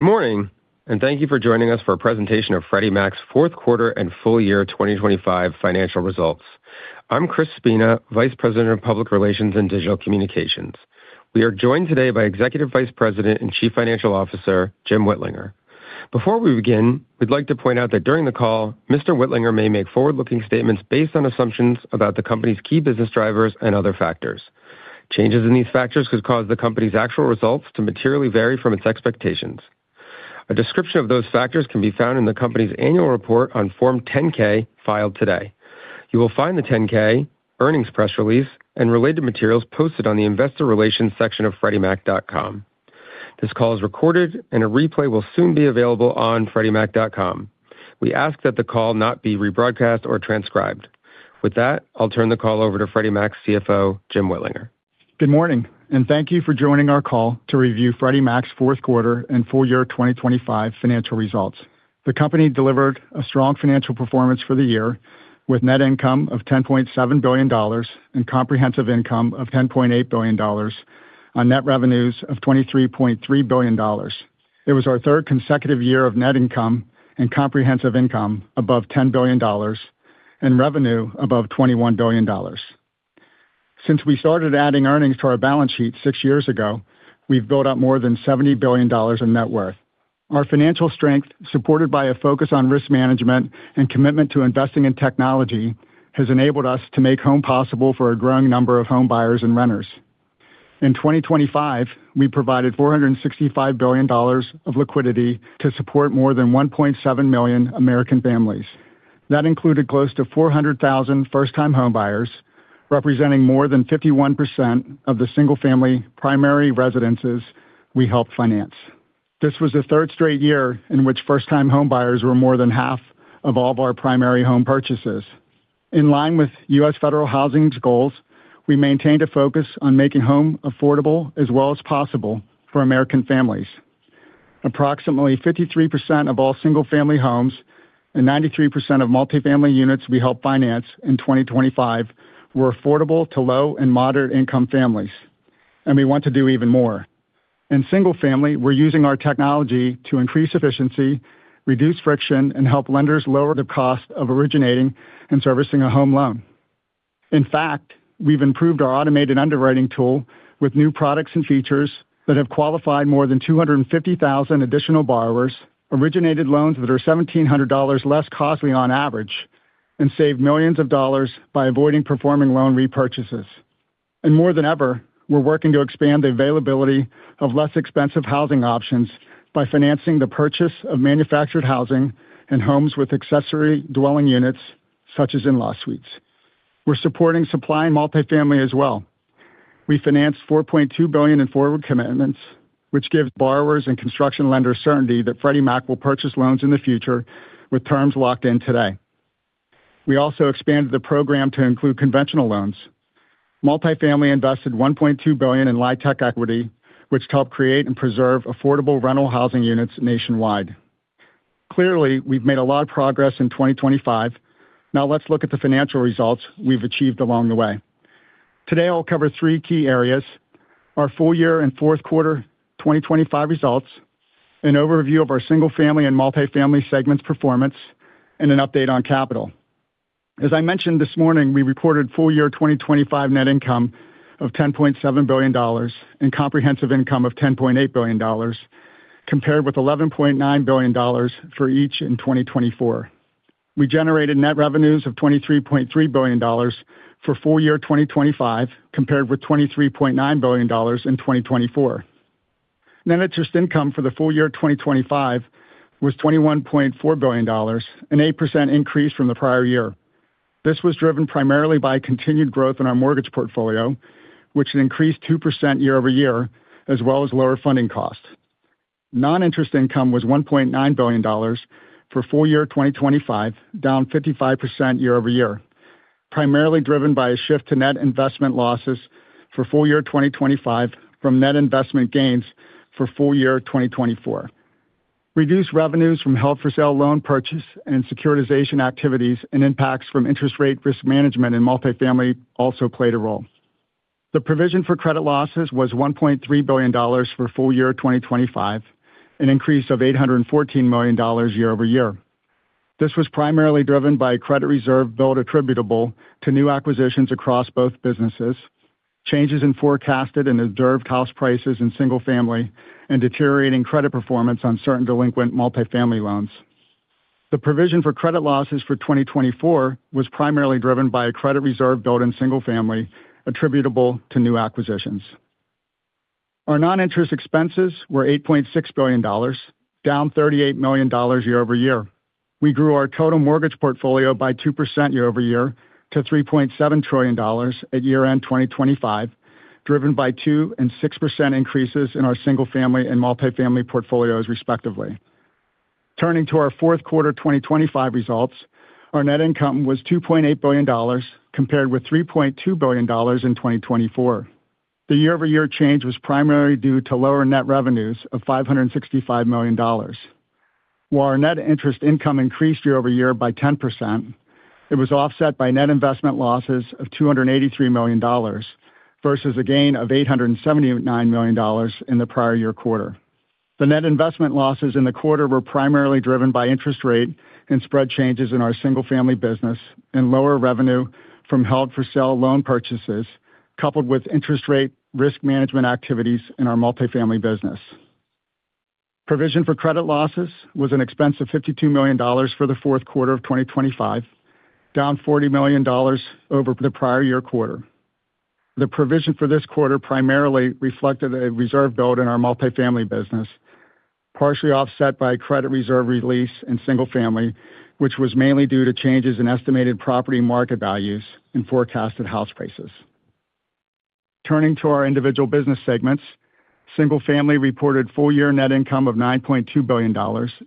Good morning, and thank you for joining us for a presentation of Freddie Mac's fourth quarter and full year 2025 financial results. I'm Chris Spina, Vice President of Public Relations and Digital Communications. We are joined today by Executive Vice President and Chief Financial Officer, Jim Whitlinger. Before we begin, we'd like to point out that during the call, Mr. Whitlinger may make forward-looking statements based on assumptions about the company's key business drivers and other factors. Changes in these factors could cause the company's actual results to materially vary from its expectations. A description of those factors can be found in the company's annual report on Form 10-K filed today. You will find the 10-K, earnings press release, and related materials posted on the Investor Relations section of freddiemac.com. This call is recorded, and a replay will soon be available on freddiemac.com. We ask that the call not be rebroadcast or transcribed. With that, I'll turn the call over to Freddie Mac's CFO, Jim Whitlinger. Good morning, and thank you for joining our call to review Freddie Mac's fourth quarter and full year 2025 financial results. The company delivered a strong financial performance for the year, with net income of $10.7 billion and comprehensive income of $10.8 billion on net revenues of $23.3 billion. It was our third consecutive year of net income and comprehensive income above $10 billion, and revenue above $21 billion. Since we started adding earnings to our balance sheet six years ago, we've built up more than $70 billion in net worth. Our financial strength, supported by a focus on risk management and commitment to investing in technology, has enabled us to make home possible for a growing number of homebuyers and renters. In 2025, we provided $465 billion of liquidity to support more than 1.7 million American families. That included close to 400,000 first-time homebuyers, representing more than 51% of the single-family primary residences we helped finance. This was the third straight year in which first-time homebuyers were more than half of all of our primary home purchases. In line with U.S. Federal Housing's goals, we maintained a focus on making home affordable as well as possible for American families. Approximately 53% of all single-family homes and 93% of Multifamily units we helped finance in 2025 were affordable to low- and moderate-income families, and we want to do even more. In Single-Family, we're using our technology to increase efficiency, reduce friction, and help lenders lower the cost of originating and servicing a home loan. In fact, we've improved our automated underwriting tool with new products and features that have qualified more than 250,000 additional borrowers, originated loans that are $1,700 less costly on average, and saved $millions by avoiding performing loan repurchases. And more than ever, we're working to expand the availability of less expensive housing options by financing the purchase of manufactured housing and homes with accessory dwelling units, such as in-law suites. We're supporting supply in multifamily as well. We financed $4.2 billion in forward commitments, which gives borrowers and construction lenders certainty that Freddie Mac will purchase loans in the future with terms locked in today. We also expanded the program to include conventional loans. Multifamily invested $1.2 billion in LIHTC equity, which helped create and preserve affordable rental housing units nationwide. Clearly, we've made a lot of progress in 2025. Now let's look at the financial results we've achieved along the way. Today, I'll cover three key areas: our full year and fourth quarter 2025 results, an overview of our single-family and multifamily segments performance, and an update on capital. As I mentioned this morning, we reported full year 2025 net income of $10.7 billion and comprehensive income of $10.8 billion, compared with $11.9 billion for each in 2024. We generated net revenues of $23.3 billion for full year 2025, compared with $23.9 billion in 2024. Net interest income for the full year 2025 was $21.4 billion, an 8% increase from the prior year. This was driven primarily by continued growth in our mortgage portfolio, which increased 2% year-over-year, as well as lower funding costs. Non-interest income was $1.9 billion for full year 2025, down 55% year-over-year, primarily driven by a shift to net investment losses for full year 2025 from net investment gains for full year 2024. Reduced revenues from held-for-sale loan purchase and securitization activities and impacts from interest rate risk management in multifamily also played a role. The provision for credit losses was $1.3 billion for full year 2025, an increase of $814 million year-over-year. This was primarily driven by a credit reserve build attributable to new acquisitions across both businesses, changes in forecasted and observed house prices in single family, and deteriorating credit performance on certain delinquent multifamily loans. The provision for credit losses for 2024 was primarily driven by a credit reserve build in single family attributable to new acquisitions. Our non-interest expenses were $8.6 billion, down $38 million year-over-year. We grew our total mortgage portfolio by 2% year-over-year to $3.7 trillion at year-end 2025, driven by 2% and 6% increases in our single-family and multifamily portfolios, respectively. Turning to our fourth quarter 2025 results, our net income was $2.8 billion, compared with $3.2 billion in 2024. The year-over-year change was primarily due to lower net revenues of $565 million. While our net interest income increased year-over-year by 10%, it was offset by net investment losses of $283 million, versus a gain of $879 million in the prior year quarter. The net investment losses in the quarter were primarily driven by interest rate and spread changes in our single-family business and lower revenue from held-for-sale loan purchases, coupled with interest rate risk management activities in our multifamily business. Provision for credit losses was an expense of $52 million for the fourth quarter of 2025, down $40 million over the prior year quarter. The provision for this quarter primarily reflected a reserve build in our multifamily business, partially offset by credit reserve release and single-family, which was mainly due to changes in estimated property market values and forecasted house prices. Turning to our individual business segments, Single-Family reported full year net income of $9.2 billion,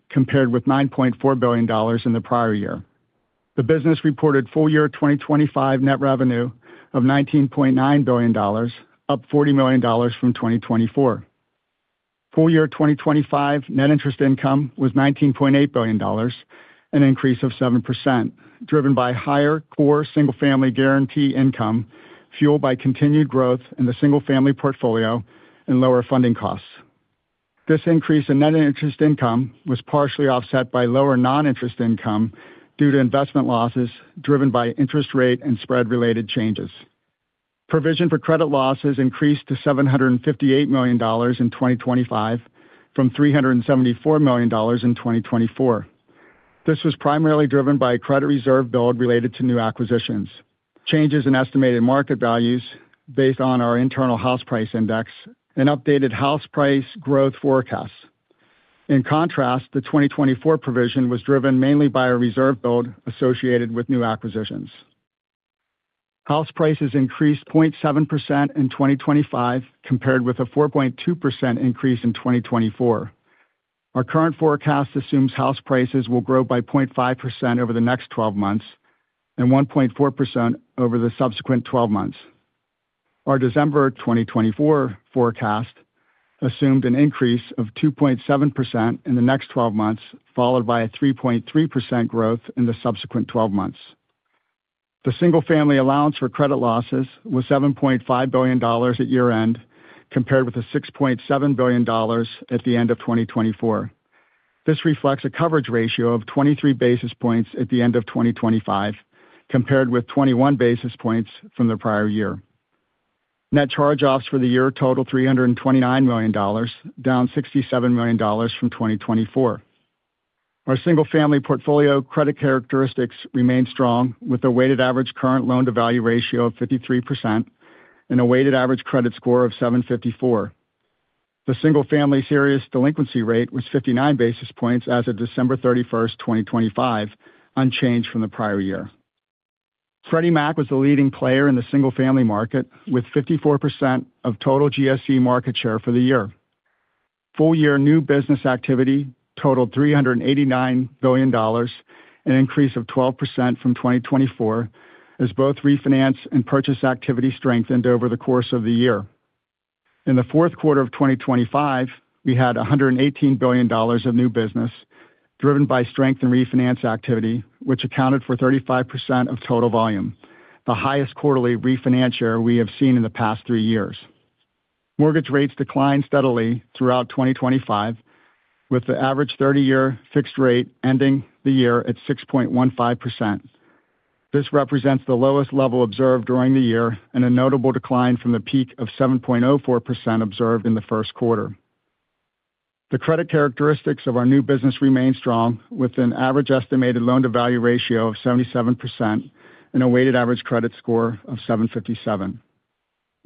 compared with $9.4 billion in the prior year. The business reported full year 2025 net revenue of $19.9 billion, up $40 million from 2024. Full year 2025 net interest income was $19.8 billion, an increase of 7%, driven by higher core single-family guarantee income, fueled by continued growth in the single-family portfolio and lower funding costs. This increase in net interest income was partially offset by lower non-interest income due to investment losses driven by interest rate and spread-related changes. Provision for Credit Losses increased to $758 million in 2025 from $374 million in 2024. This was primarily driven by credit reserve build related to new acquisitions, changes in estimated market values based on our internal house price index, and updated house price growth forecasts. In contrast, the 2024 provision was driven mainly by a reserve build associated with new acquisitions. House prices increased 0.7% in 2025, compared with a 4.2% increase in 2024. Our current forecast assumes house prices will grow by 0.5% over the next twelve months and 1.4% over the subsequent twelve months. Our December 2024 forecast assumed an increase of 2.7% in the next twelve months, followed by a 3.3% growth in the subsequent twelve months. The single-family allowance for credit losses was $7.5 billion at year-end, compared with $6.7 billion at the end of 2024. This reflects a coverage ratio of 23 basis points at the end of 2025, compared with 21 basis points from the prior year. Net charge-offs for the year totaled $329 million, down $67 million from 2024. Our single-family portfolio credit characteristics remained strong, with a weighted average current loan-to-value ratio of 53% and a weighted average credit score of 754. The single-family serious delinquency rate was 59 basis points as of December 31, 2025, unchanged from the prior year. Freddie Mac was the leading player in the single-family market, with 54% of total GSE market share for the year. Full year new business activity totaled $389 billion, an increase of 12% from 2024, as both refinance and purchase activity strengthened over the course of the year. In the fourth quarter of 2025, we had $118 billion of new business, driven by strength in refinance activity, which accounted for 35% of total volume, the highest quarterly refinance share we have seen in the past three years. Mortgage rates declined steadily throughout 2025, with the average 30-year fixed rate ending the year at 6.15%. This represents the lowest level observed during the year and a notable decline from the peak of 7.04% observed in the first quarter. The credit characteristics of our new business remained strong, with an average estimated loan-to-value ratio of 77% and a weighted average credit score of 757.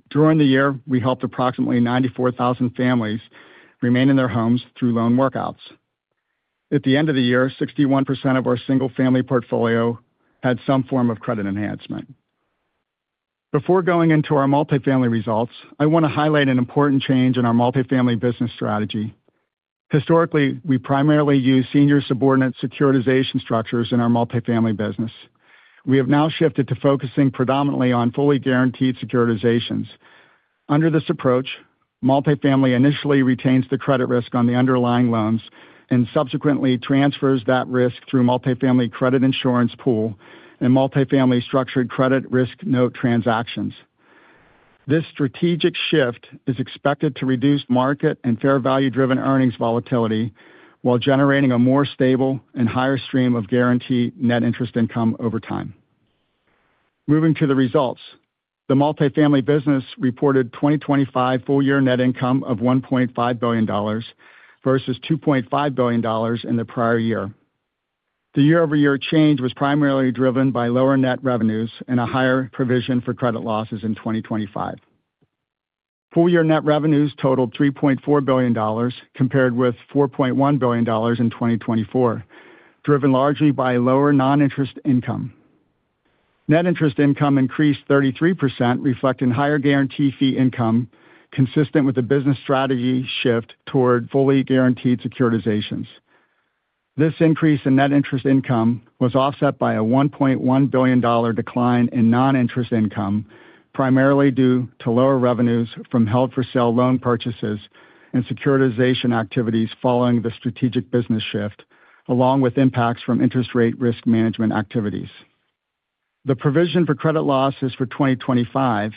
During the year, we helped approximately 94,000 families remain in their homes through loan workouts. At the end of the year, 61% of our single-family portfolio had some form of credit enhancement. Before going into our multifamily results, I want to highlight an important change in our multifamily business strategy. Historically, we primarily use senior subordinate securitization structures in our multifamily business. We have now shifted to focusing predominantly on fully guaranteed securitizations. Under this approach, multifamily initially retains the credit risk on the underlying loans and subsequently transfers that risk through Multifamily Credit Insurance Pool and Multifamily Structured Credit Risk note transactions. This strategic shift is expected to reduce market and fair value-driven earnings volatility while generating a more stable and higher stream of guaranteed net interest income over time. Moving to the results. The multifamily business reported 2025 full year net income of $1.5 billion versus $2.5 billion in the prior year. The year-over-year change was primarily driven by lower net revenues and a higher provision for credit losses in 2025. Full year net revenues totaled $3.4 billion, compared with $4.1 billion in 2024, driven largely by lower non-interest income. Net interest income increased 33%, reflecting higher guarantee fee income consistent with the business strategy shift toward fully guaranteed securitizations. This increase in net interest income was offset by a $1.1 billion decline in non-interest income, primarily due to lower revenues from held-for-sale loan purchases and securitization activities following the strategic business shift, along with impacts from interest rate risk management activities. The provision for credit losses for 2025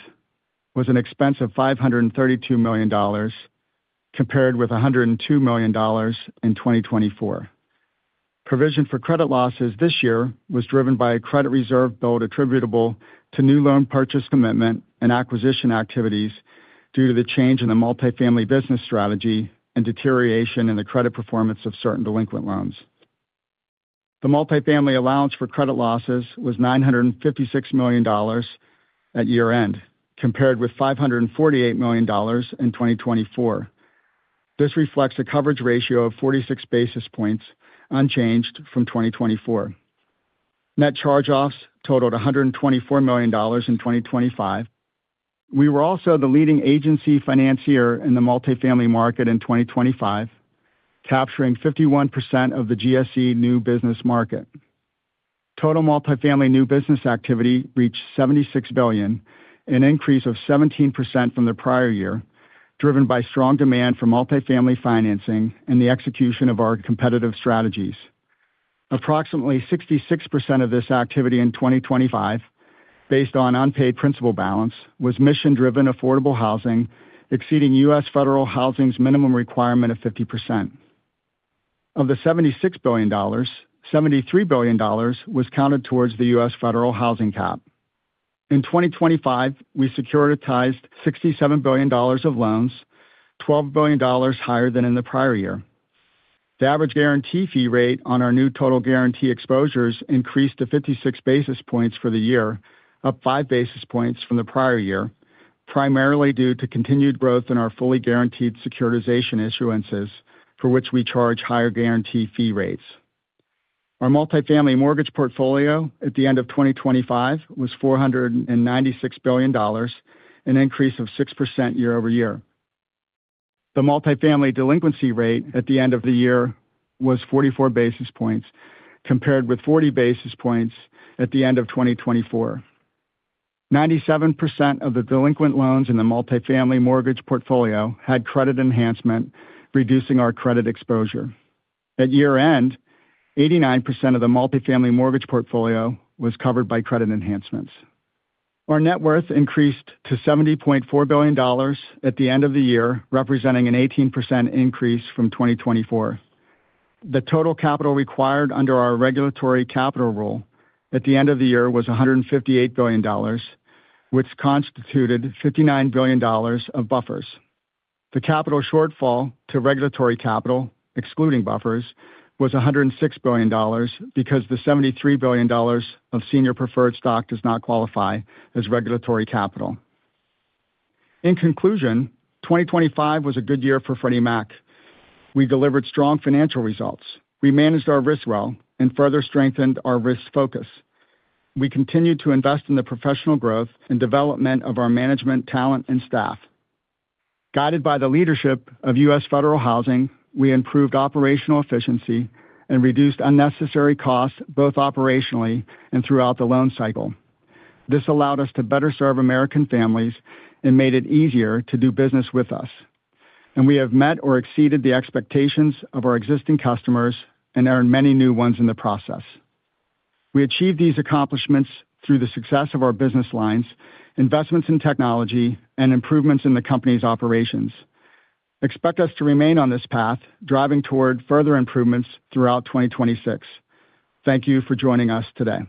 was an expense of $532 million, compared with $102 million in 2024. Provision for credit losses this year was driven by a credit reserve build attributable to new loan purchase commitment and acquisition activities, due to the change in the multifamily business strategy and deterioration in the credit performance of certain delinquent loans. The multifamily allowance for credit losses was $956 million at year-end, compared with $548 million in 2024. This reflects a coverage ratio of 46 basis points, unchanged from 2024. Net charge-offs totaled $124 million in 2025. We were also the leading agency financier in the multifamily market in 2025, capturing 51% of the GSE new business market. Total multifamily new business activity reached $76 billion, an increase of 17% from the prior year, driven by strong demand for multifamily financing and the execution of our competitive strategies. Approximately 66% of this activity in 2025, based on unpaid principal balance, was mission-driven affordable housing, exceeding FHFA's minimum requirement of 50%. Of the $76 billion, $73 billion was counted towards the FHFA cap. In 2025, we securitized $67 billion of loans, $12 billion higher than in the prior year. The average guarantee fee rate on our new total guarantee exposures increased to 56 basis points for the year, up 5 basis points from the prior year, primarily due to continued growth in our fully guaranteed securitization issuances, for which we charge higher guarantee fee rates. Our multifamily mortgage portfolio at the end of 2025 was $496 billion, an increase of 6% year-over-year. The multifamily delinquency rate at the end of the year was 44 basis points, compared with 40 basis points at the end of 2024. 97% of the delinquent loans in the multifamily mortgage portfolio had credit enhancement, reducing our credit exposure. At year-end, 89% of the multifamily mortgage portfolio was covered by credit enhancements. Our net worth increased to $70.4 billion at the end of the year, representing an 18% increase from 2024. The total capital required under our regulatory capital rule at the end of the year was $158 billion, which constituted $59 billion of buffers. The capital shortfall to regulatory capital, excluding buffers, was $106 billion, because the $73 billion of senior preferred stock does not qualify as regulatory capital. In conclusion, 2025 was a good year for Freddie Mac. We delivered strong financial results. We managed our risk well and further strengthened our risk focus. We continued to invest in the professional growth and development of our management, talent, and staff. Guided by the leadership of U.S. Federal Housing, we improved operational efficiency and reduced unnecessary costs, both operationally and throughout the loan cycle. This allowed us to better serve American families and made it easier to do business with us. We have met or exceeded the expectations of our existing customers and earned many new ones in the process. We achieved these accomplishments through the success of our business lines, investments in technology, and improvements in the company's operations. Expect us to remain on this path, driving toward further improvements throughout 2026. Thank you for joining us today.